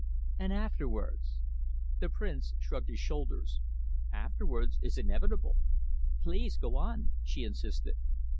"And afterwards?" The Prince shrugged his shoulders. "Afterwards is inevitable." "Please go on," she insisted.